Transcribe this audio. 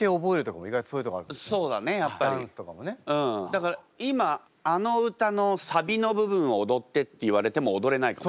だから今あの歌のサビの部分を踊ってって言われても踊れないかも。